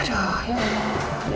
aduh ya allah